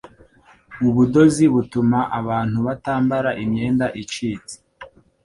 Ubudozi butuma abantu batambara imyenda icitse